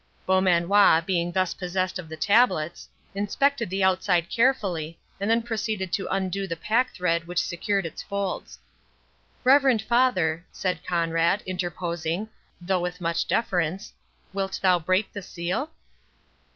Beaumanoir, being thus possessed of the tablets, inspected the outside carefully, and then proceeded to undo the packthread which secured its folds. "Reverend father," said Conrade, interposing, though with much deference, "wilt thou break the seal?"